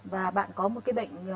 và bạn có một cái bệnh